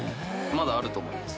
まだあると思います。